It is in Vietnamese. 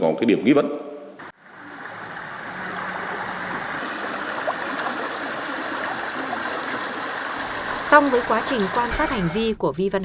có cái điểm nghi vấn